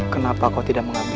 kenapa kau tidak mengambilnya